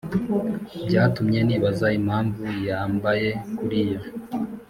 byatumye nibaza impamvu yambaye kuriya